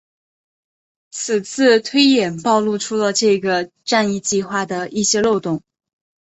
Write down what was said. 此次推演暴露出了这个战役计划的一些漏洞。